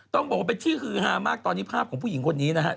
ต้องบอกว่าเป็นที่ฮือฮามากตอนนี้ภาพของผู้หญิงคนนี้นะครับ